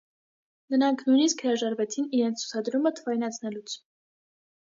Նրանք նույնիսկ հրաժարվեցին իրենց ցուցադրումը թվայնացնելուց։